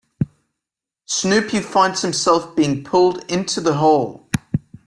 Snoopy finds himself being pulled into the hole.